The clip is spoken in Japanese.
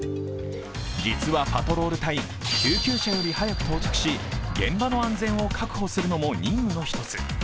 実はパトロール隊、救急車より早く到着し、現場の安全を確保するのも任務の一つ。